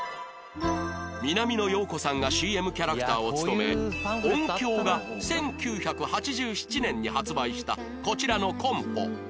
南野陽子さんが ＣＭ キャラクターを務め ＯＮＫＹＯ が１９８７年に発売したこちらのコンポ